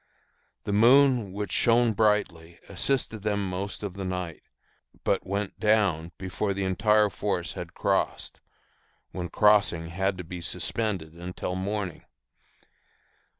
The moon, which shone brightly, assisted them most of the night, but went down before the entire force had crossed, when crossing had to be suspended until morning.